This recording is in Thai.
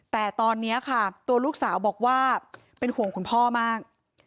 แต่ตอนนี้ค่ะตัวลูกสาวบอกว่าเป็นห่วงคุณพ่อมาก